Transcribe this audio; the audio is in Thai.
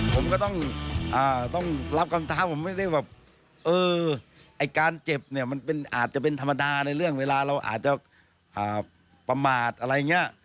ผมก็ต้องอ่าต้องรับคำถามผมไม่ได้แบบเออไอ้การเจ็บเนี้ยมันเป็นอาจจะเป็นธรรมดาในเรื่องเวลาเราอาจจะอ่าประมาทอะไรเงี้ย